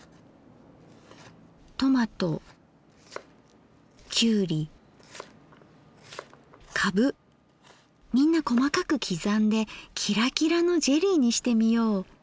トマトきゅうりカブみんな細かく刻んでキラキラのジェリーにしてみよう。